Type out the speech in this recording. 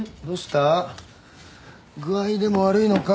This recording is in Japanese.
具合でも悪いのか？